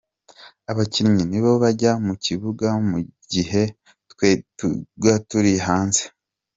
Abakinnyi nibo bajya mu kibuga mu gihe twe tuvuga turi hanze.